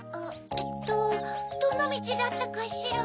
えっとどのみちだったかしら？